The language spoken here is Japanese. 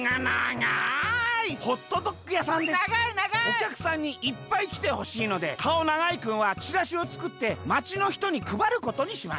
「おきゃくさんにいっぱいきてほしいのでかおながいくんはチラシをつくってまちのひとにくばることにしました」。